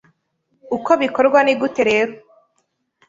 Uko bikorwa ni gute rero